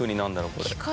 これ。